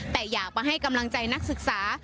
แต่อยากมาให้กำลังใจนักศึกษา